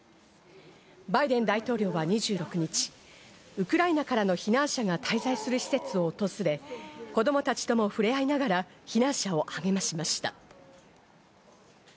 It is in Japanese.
バイデン大統領は２６日、ウクライナからの避難者が滞在する施設を訪れ、子供たちとも触れ合いながら被害者を励ましました。